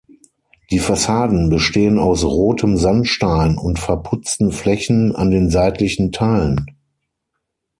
Die Fassaden bestehen aus rotem Sandstein und verputzten Flächen an den seitlichen Teilen.